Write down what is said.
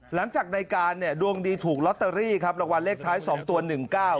หลังจากในการเนี่ยดวงดีถูกลอตเตอรี่ครับรางวัลเลขท้ายสองตัวหนึ่งเก้า